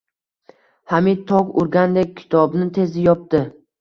Hamid tok urgandek kitobni tezda yopdi